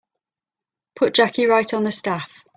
Put Jackie right on the staff.